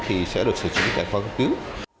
thì sẽ được sử dụng tại khoa cấp cứu